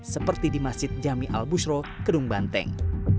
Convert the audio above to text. seperti di masjid jami al bushro kedung banteng